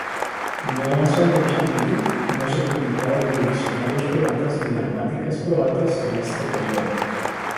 No asombrosamente, no se publicaron ni diccionarios croatas ni gramáticas croatas en este período.